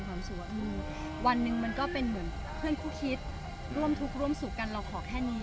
รู้สึกว่าวันหนึ่งมันก็เป็นเหมือนเพื่อนคู่คิดร่วมทุกข์ร่วมสุขกันเราขอแค่นี้